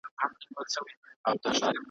ماته خپل خالق لیکلی په ازل کي شبِ قدر ,